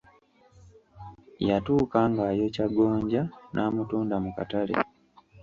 Yatuuka ng’ayokya gonja n'amutunda mu katale.